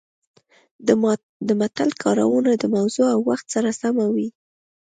د متل کارونه د موضوع او وخت سره سمه وي